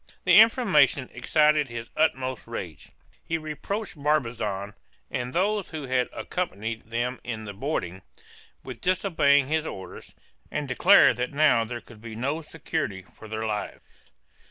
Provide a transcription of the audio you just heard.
The information excited his utmost rage. He reproached Barbazan, and those who had accompanied them in the boarding, with disobeying his orders, and declared that now there could be no security for their lives.